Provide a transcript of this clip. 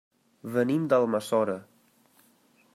Venim d'Almassora.